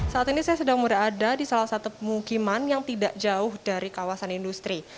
saat ini saya sedang berada di salah satu pemukiman yang tidak jauh dari kawasan industri